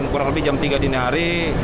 kurang lebih jam tiga dini hari